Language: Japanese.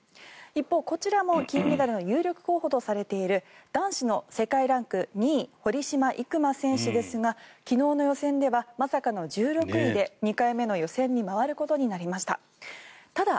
一方、こちらも金メダルの有力候補とされている男子の世界ランク２位堀島行真選手ですが昨日の予選ではまさかの１６位で２回目の予選に回ることになりました。